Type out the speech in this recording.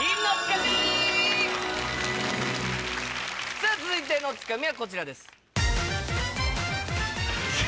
さぁ続いてのツカミはこちらです。